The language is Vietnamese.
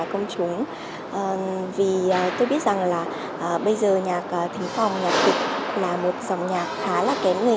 công chúng vì tôi biết rằng là bây giờ nhạc thính phòng nhạc kịch là một dòng nhạc khá là kém người